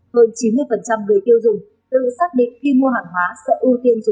hơn chín mươi người tiêu dùng tự xác định khi mua hàng hóa sẽ ưu tiên dùng